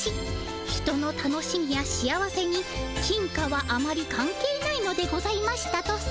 人の楽しみや幸せに金貨はあまり関係ないのでございましたとさ。